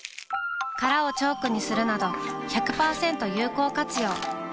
殻をチョークにするなど１００％有効活用。